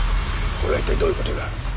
これはいったいどういうことだ？